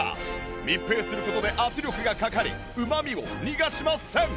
密閉する事で圧力がかかりうまみを逃がしません！